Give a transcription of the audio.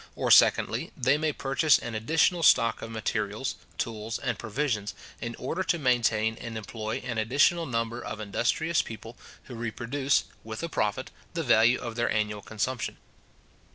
or, secondly, they may purchase an additional stock of materials, tools, and provisions, in order to maintain and employ an additional number of industrious people, who reproduce, with a profit, the value of their annual consumption.